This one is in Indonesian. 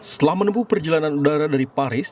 setelah menempuh perjalanan udara dari paris